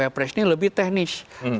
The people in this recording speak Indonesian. saya presiden lebih teknis